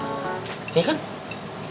gak boleh lagi mau serumah